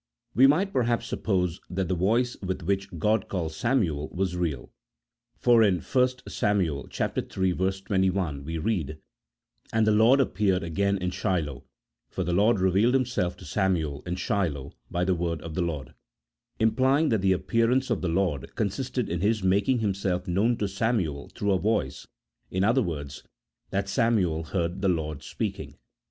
"We might, perhaps, suppose that the voice with which God called Samuel was real, for in 1 Sam. hi. 21, we read, " And the Lord appeared again in Shiloh, for the Lord re vealed Himself to Samuel in Shiloh by the word of the Lord ;" implying that the appearance of the Lord consisted in His making Himself known to Samuel through a voice ; in other words, that Samuel heard the Lord speaking.